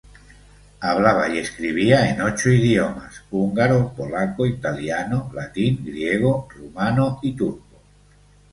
Hablaba y escribía en ocho idiomas: húngaro, polaco, italiano, latín, griego, rumano y turco.